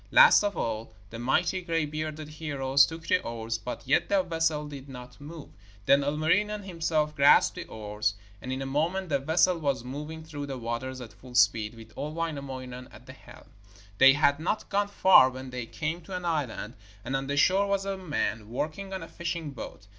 Last of all the mighty gray bearded heroes took the oars, but yet the vessel did not move. Then Ilmarinen himself grasped the oars, and in a moment the vessel was moving through the waters at full speed, with old Wainamoinen at the helm. They had not gone far when they came to an island, and on the shore was a man working on a fishing boat.